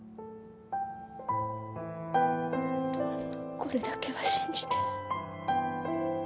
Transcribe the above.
これだけは信じて。